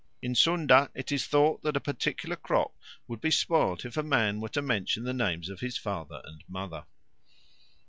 In Sunda it is thought that a particular crop would be spoilt if a man were to mention the names of his father and mother.